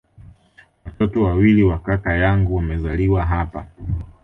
Watoto wawili wa kaka yangu wamezaliwa hapa